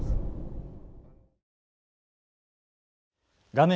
画面